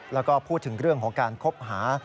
แล้วก็พูดถึงเรื่องของการคบหา